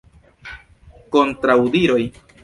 Kontraŭdiroj?